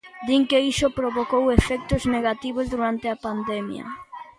Din que iso provocou efectos negativos durante a pandemia.